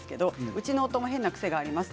うちの夫も変な癖があります。